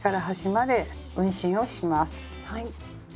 はい。